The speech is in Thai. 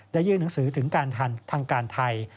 ยื่นหนังสือถึงการทางการไทย